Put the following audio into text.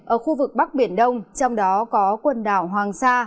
ở khu vực bắc biển đông trong đó có quần đảo hoàng sa